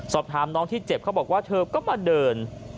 สอบถามน้องที่เจ็บเขาบอกว่าเธอก็มาเดิน